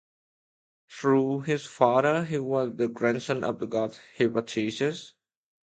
Through his father he was the grandson of the god Hephaestus.